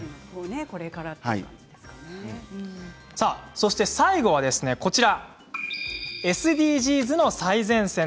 そして最後はＳＤＧｓの最前線。